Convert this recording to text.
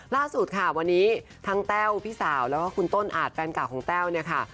ล่าสุดค่ะวันนี้ทั้งแต้วพี่สาวแล้วก็คุณต้นอาจแฟนเก่าของแต้วเนี่ยค่ะ